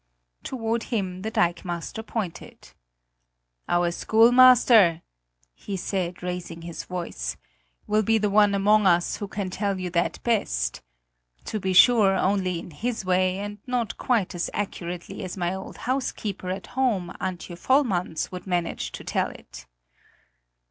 Toward him the dikemaster pointed: "Our schoolmaster," he said, raising his voice, "will be the one among us who can tell you that best to be sure, only in his way, and not quite as accurately as my old housekeeper at home, Antje Vollmans, would manage to tell it."